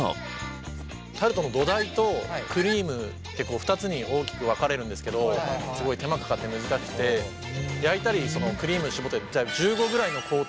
タルトの土台とクリームって２つに大きく分かれるんですけどすごい手間かかって難しくて焼いたりクリームしぼったり１５ぐらいの工程が必要なんですよ。